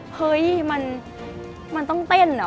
เฮ้ยมันต้องเต้นเหรอ